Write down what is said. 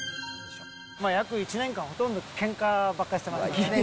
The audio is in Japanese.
約１年間、ほとんどけんかばっかしてましたね。